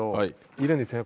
いるんですよね